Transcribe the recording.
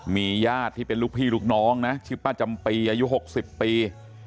มีญาติที่เป็นลูกพี่ลูกน้องนะชื่อป้าจำปีอายุ๖๐ปี